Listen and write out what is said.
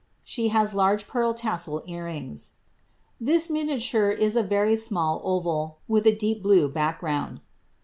She has large pearl tassel ear rings. Thia miaiature li B very small ova!, with a deep blue back ground.'